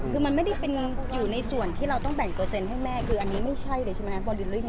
คือมันไม่ได้เป็นอยู่ในส่วนที่เราต้องแบ่งเปอร์เซ็นต์ให้แม่คืออันนี้ไม่ใช่เลยใช่ไหมครับ